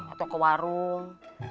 atau ke warung